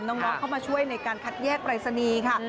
น้องเข้ามาช่วยในการคัดแยกปรายศนีย์ค่ะ